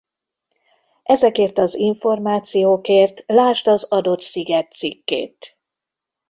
Ezekért az információkért lásd az adott sziget cikkét.